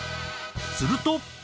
すると。